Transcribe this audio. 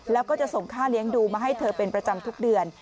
แล้วก็จะส่งค่าเลี้ยงดูมาให้เธอเป็นประจำทุกเดือน